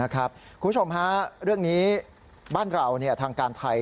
คุณผู้ชมฮะเรื่องนี้บ้านเราทางการไทย